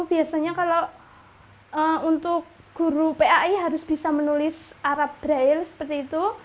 biasanya kalau untuk guru pai harus bisa menulis arab braille seperti itu